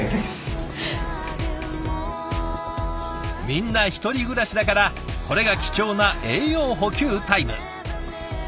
みんな１人暮らしだからこれが貴重な栄養補給タイム。